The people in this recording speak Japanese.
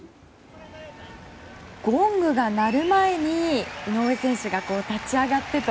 ゴングが鳴る前に井上選手が立ち上がってと。